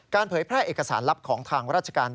เผยแพร่เอกสารลับของทางราชการ